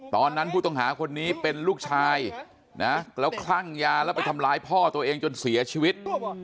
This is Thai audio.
ตอนนั้นผู้ต้องหาคนนี้เป็นลูกชายนะแล้วคลั่งยาแล้วไปทำร้ายพ่อตัวเองจนเสียชีวิต